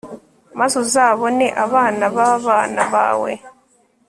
maze uzabone abana b'abana bawe